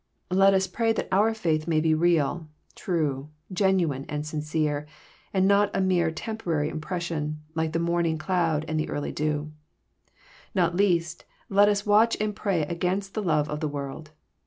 Let us pray that our faith may be real, true, genuine, and sincere, and not a mere temporary impression, like the morning cloud and the early dew* Not least, let us wateh and pray against the love of the world.